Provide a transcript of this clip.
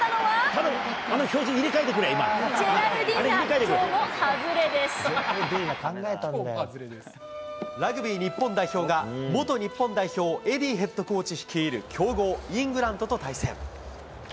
あの表示入れ替えてくれ、ジェラルディーナ、きょうもラグビー日本代表が、元日本代表、エディーヘッドコーチ率いる、強豪、イングランドと対戦。